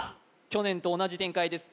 去年と同じ展開です